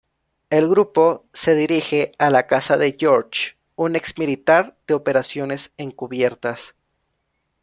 El grupo se dirige a la casa de George, un ex-militar de operaciones encubiertas.